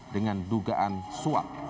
dengan dugaan suap